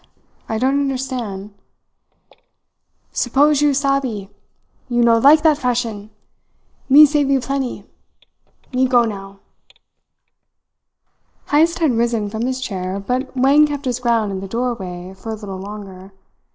I don't understand." "Suppose you savee, you no like that fashion. Me savee plenty. Me go now." Heyst had risen from his chair, but Wang kept his ground in the doorway for a little longer.